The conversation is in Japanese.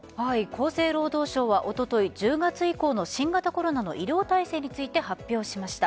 厚生労働省はおととい１０月以降の新型コロナの医療体制について発表しました。